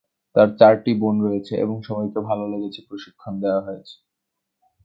তার চারটি বোন রয়েছে এবং সবাইকে ভাল লেগেছে প্রশিক্ষণ দেওয়া হয়েছে।